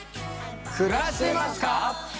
暮らしてますか？